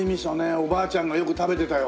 おばあちゃんがよく食べてたよ